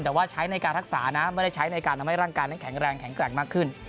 แต่ว่าใช้ในการรักษานะไม่ได้ใช้ในการทำให้ร่างกายนั้นแข็งแรงแข็งแกร่งมากขึ้น